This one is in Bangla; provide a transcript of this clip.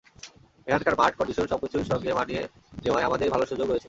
এখানকার মাঠ, কন্ডিশন সবকিছুর সঙ্গে মানিয়ে নেওয়ায় আমাদের ভালো সুযোগ রয়েছে।